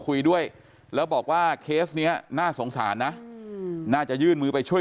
คุยด้วยแล้วบอกว่าเคสนี้น่าสงสารนะน่าจะยื่นมือไปช่วย